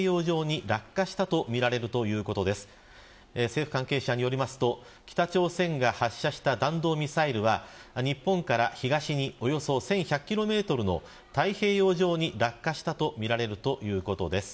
政府関係者によると北朝鮮が発射した弾道ミサイルは日本から東におよそ１１００キロメートルの太平洋上に落下したとみられるということです。